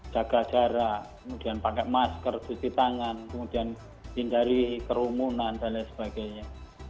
jaga jarak kemudian pakai masker cuci tangan kemudian hindari kerumunan dan lain sebagainya